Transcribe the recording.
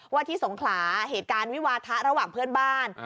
ที่สงขลาเหตุการณ์วิวาทะระหว่างเพื่อนบ้าน